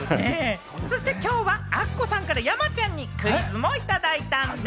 そしてきょうはアッコさんから山ちゃんにクイズもいただいたんでぃす！